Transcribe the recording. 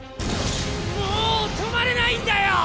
もう止まれないんだよ！